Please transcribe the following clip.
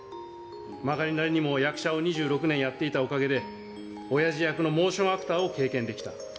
まがりなりにも役者を２６年やっていたおかげで、親父役のモーションアクターを経験できた。